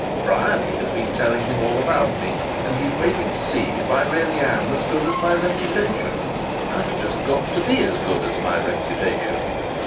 Bryany has been telling him all about me, and he is waiting to see if I really am as good as my reputation. I have just got to be as good as my reputation!"